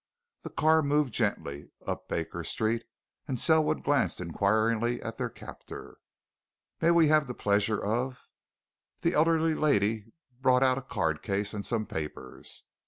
The car moved gently up Baker Street, and Selwood glanced inquiringly at their captor. "May we have the pleasure of " The elderly lady brought out a card case and some papers.